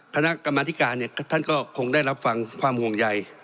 คณะกรรมธิการท่านก็คงได้รับฟังความห่วงใย